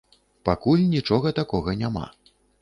Пакуль нічога такога няма.